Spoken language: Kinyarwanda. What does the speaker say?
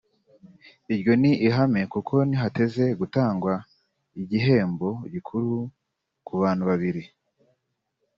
iryo ni ihame kuko ntihateze gutangwa igihembo gikuru ku bantu babiri